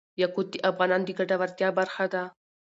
یاقوت د افغانانو د ګټورتیا برخه ده.